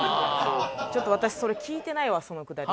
ちょっと私それ聞いてないわそのくだり。